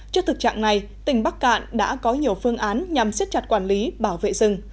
trước thực trạng này tỉnh bắc cạn đã có nhiều phương án nhằm siết chặt quản lý bảo vệ rừng